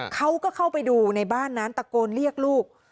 เขาก็เข้าไปดูในบ้านนั้นตะโกนเรียกลูก